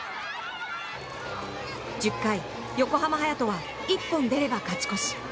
１０回、横浜隼人は１本出れば勝ち越し。